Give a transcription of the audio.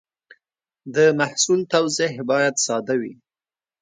د محصول توضیح باید ساده وي.